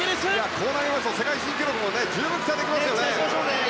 こうなりますと世界新記録も十分期待できます。